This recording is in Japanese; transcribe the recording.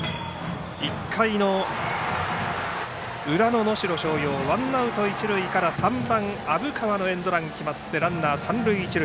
１回の裏の能代松陽ワンアウト、一塁から３番、虻川のエンドランが決まってランナー、三塁一塁。